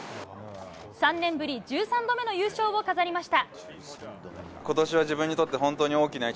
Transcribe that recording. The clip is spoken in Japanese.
３年ぶり１３度目の優勝を飾りました。